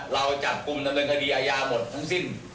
เราจับกลุ่มดำเนินคดีอาญาหมดทั้งสิ้น